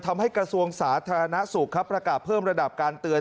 กระทรวงสาธารณสุขครับประกาศเพิ่มระดับการเตือน